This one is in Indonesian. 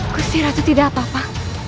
kusira itu tidak apa apa